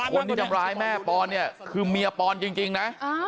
คนที่ทำร้ายแม่ปอนเนี่ยคือเมียปอนจริงนะ